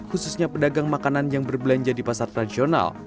khususnya pedagang makanan yang berbelanja di pasar tradisional